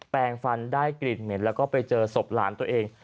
แปลงฟันได้กลิ่นเหม็นแล้วก็ไปเจอศพหลานตัวเอง